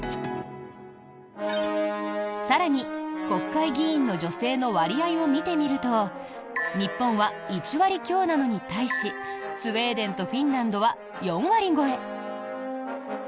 更に、国会議員の女性の割合を見てみると日本は１割強なのに対しスウェーデンとフィンランドは４割超え。